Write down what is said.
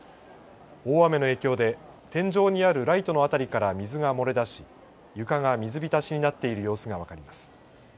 大雨の影響で天井にあるライトの辺りから水が漏れ出し、床が水浸しになっている様子が分かります。